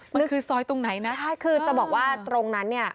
มันคือซอยตรงไหนนะอ้าวใช่คือจะบอกว่าตรงนั้น